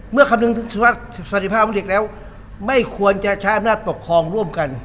คำนึงถึงสวัสดิภาพของเด็กแล้วไม่ควรจะใช้อำนาจปกครองร่วมกัน